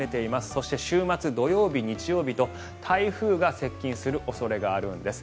そして、週末土曜日、日曜日と台風が接近する恐れがあるんです。